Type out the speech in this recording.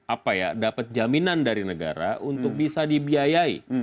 apa ya dapat jaminan dari negara untuk bisa dibiayai